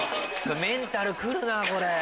メンタル来るなこれ。